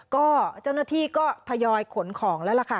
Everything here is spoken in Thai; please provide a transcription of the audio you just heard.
ก็เจ้าหน้าที่ก็ทยอยขนของแล้วล่ะค่ะ